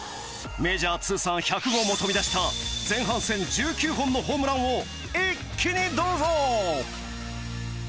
メジャー通算１００号も飛び出した前半戦１９本のホームランを一気にどうぞ！